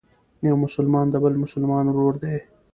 یو مسلمان د بل مسلمان ورور دی.